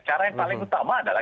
cara yang paling utama adalah